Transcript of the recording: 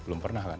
belum pernah kan